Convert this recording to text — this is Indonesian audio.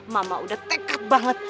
mama udah tekat banget